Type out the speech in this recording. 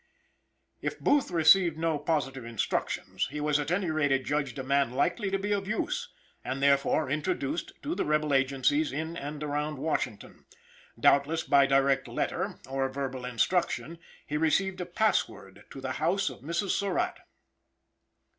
If Booth received no positive instructions, he was at any rate adjudged a man likely to be of use, and therefore introduced to the rebel agencies in and around Washington. Doubtless by direct letter, or verbal instruction, he received a password to the house of Mrs. Surratt.